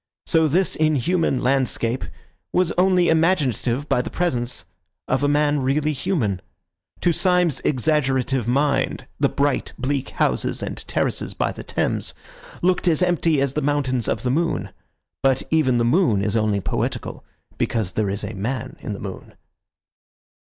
So this inhuman landscape was only imaginative by the presence of a man really human. To Syme's exaggerative mind the bright, bleak houses and terraces by the Thames looked as empty as the mountains of the moon. But even the moon is only poetical because there is a man in the moon.